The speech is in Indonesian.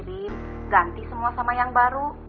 diganti semua sama yang baru